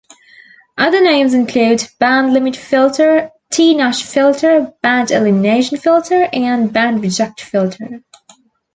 Other names include 'band limit filter', 'T-notch filter', 'band-elimination filter', and 'band-reject filter'.